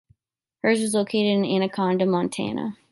Hers was located in Anaconda, Montana.